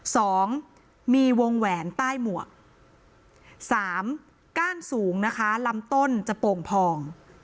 สองมีวงแหวนใต้หมวกสามก้านสูงนะคะลำต้นจะโป่งพอง